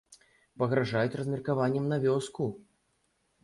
Пагражаюць размеркаваннем на вёску.